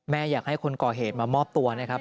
อยากให้คนก่อเหตุมามอบตัวนะครับ